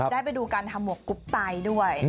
ได้ไปดูการทำหมวกกรุ๊ปไตด้วย